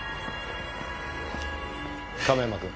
亀山君。